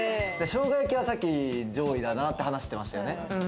生姜焼きはさっき上位だなって話してましたよね。